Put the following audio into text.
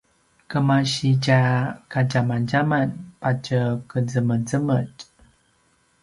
kemasitja kadjamadjaman patje qezemezemetj